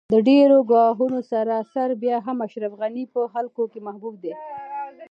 د ډېرو ګواښونو سره سره بیا هم اشرف غني په خلکو کې محبوب دی